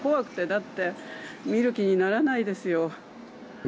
だって見る気にならないですよ。